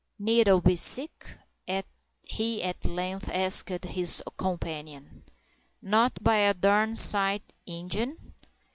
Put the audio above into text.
"Nettle be sick?" he at length asked of his companion. "Not by a darn sight, Ingen?"